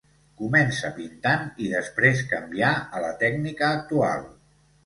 Comença pintant i després canvià a la tècnica actual.